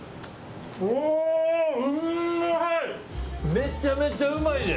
めちゃめちゃうまいで！